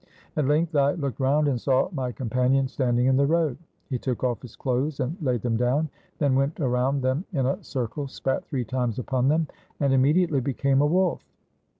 At length I looked round, and saw my compan ion standing in the road. He took off his clothes and laid them down; then went around them in a circle, spat three times upon them, and immediately became a wolf.'